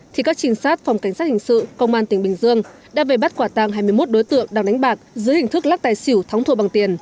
thì các trinh sát phòng cảnh sát hình sự công an tỉnh bình dương đã về bắt quả tăng hai mươi một đối tượng đang đánh bạc dưới hình thức lắc tài xỉu thắng thua bằng tiền